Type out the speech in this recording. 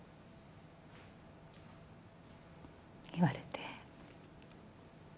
言われて。